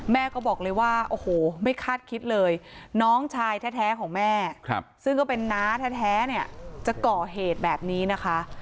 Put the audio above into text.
แม่ก็บอกเลยว่าโอ้โหไม่คาดคิดเลยน้องชายแท้ของแม่ซึ่งก็เป็นน้าแท้เนี่ยจะก่อเหตุแบบนี้นะคะ